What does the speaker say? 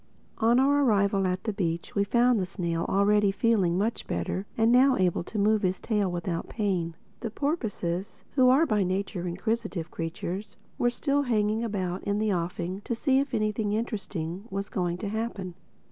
On our arrival at the beach we found the snail already feeling much better and now able to move his tail without pain. The porpoises (who are by nature inquisitive creatures) were still hanging about in the offing to see if anything of interest was going to happen.